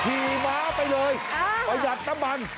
ขี่ม้าไปเลยประหยัดน้ำมัน